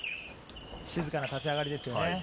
静かな立ち上がりですよね。